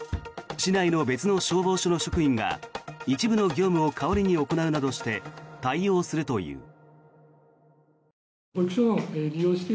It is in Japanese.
市内の別の消防署の職員が一部の業務を代わりに行うなどして対応するという。